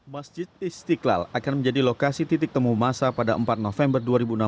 masjid istiqlal akan menjadi lokasi titik temu masa pada empat november dua ribu enam belas